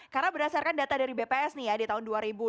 karena berdasarkan data dari bps nih ya di tahun dua ribu dua puluh